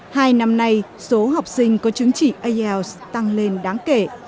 hai năm nay số học sinh có chứng chỉ ielts tăng lên đáng kể